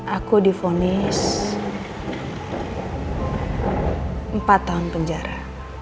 aku difonis empat tahun penjara